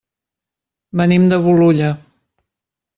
Venim de Bolulla.